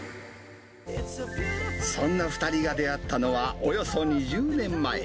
そんな２人が出会ったのはおよそ２０年前。